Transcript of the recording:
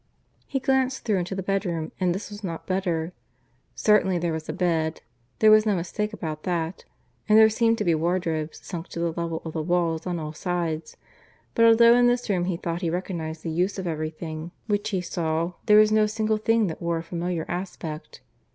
He glanced through into the bedroom, and this was not much better. Certainly there was a bed; there was no mistake about that; and there seemed to be wardrobes sunk to the level of the walls on all sides; but although in this room he thought he recognized the use of everything which he saw, there was no single thing that wore a familiar aspect.